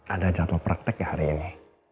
ada jadwal praktek ya hari ini